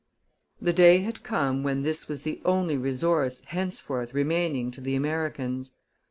The day had come when this was the only resource henceforth remaining to the Americans.